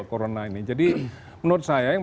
corona ini jadi menurut saya yang